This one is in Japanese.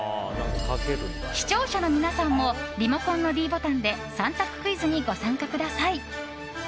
視聴者の皆さんもリモコンのｄボタンで３択クイズにご参加ください。